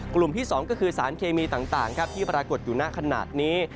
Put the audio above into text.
กลุ่มที่๒ก็คือสารเคมีต่างที่ปรากฏอยู่ณขนาดนี้